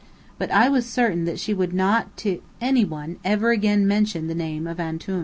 But I was certain that she would not to any one ever again mention the name of Antoun.